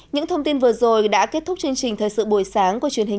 những thông tin vừa rồi đã kết thúc chương trình thời sự buổi sáng của truyền hình